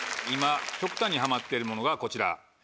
今極端にハマっているものがこちら。